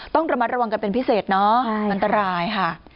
ต้องระมัดระวังกันเป็นพิเศษเนาะอันตรายค่ะ